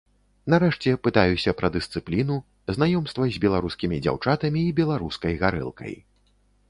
Нарэшце прытаюся пра дысцыпліну, знаёмства з беларускімі дзяўчатамі і беларускай гарэлкай.